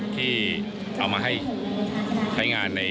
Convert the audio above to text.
ที่เอามาให้ใช้งานใน